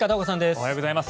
おはようございます。